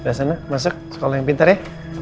dari sana masuk sekolah yang pintar ya